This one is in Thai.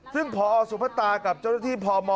ซึ่งพอสุพตากับเจ้าหน้าที่พม